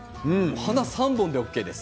花３本でＯＫです。